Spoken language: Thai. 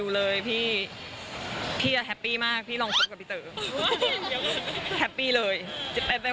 เราไม่มีถอยกลับ